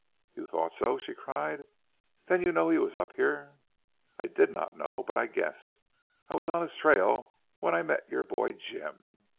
"You thought so?" she cried. "Then you know he was up here?" "I did not know, but I guessed. I was on his trail when I met your boy Jim."